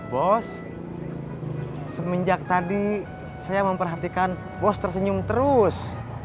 bos semenjak tadi saya memperhatikan bos tersenyum terus